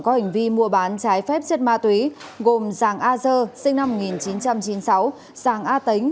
có hành vi mua bán trái phép chất ma túy gồm giàng a dơ sinh năm một nghìn chín trăm chín mươi sáu giàng a tính